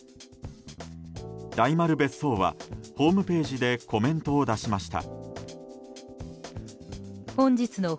大丸別荘は、ホームページでコメントを出しました。